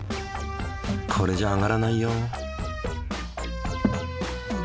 これじゃあ上がらないよ。